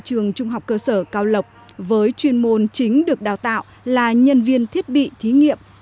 trường trung học cơ sở cao lộc với chuyên môn chính được đào tạo là nhân viên thiết bị thí nghiệm